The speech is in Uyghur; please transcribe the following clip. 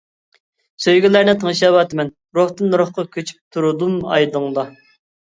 سۆيگۈلەرنى تىڭشاۋاتىمەن، روھتىن روھقا كۆچۈپ تۇردۇم ئايدىڭدا.